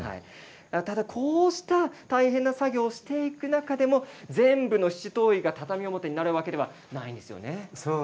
ただこうした大変な作業をしていく中でも全部の七島藺が畳表になるわけではないんですよね。